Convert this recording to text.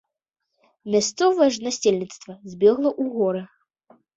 Мясцовае ж насельніцтва збегла ў горы.